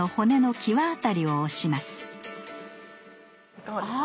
いかがですか？